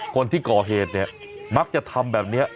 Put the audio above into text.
คนที่ก่อเหตุเนี่ยมักจะทำแบบนี้